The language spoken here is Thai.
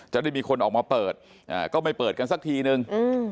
จะได้มีคนออกมาเปิดก็ไม่เปิดกันสักทีนึง